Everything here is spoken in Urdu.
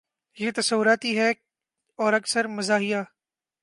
یہ تصوراتی ہے اور اکثر مزاحیہ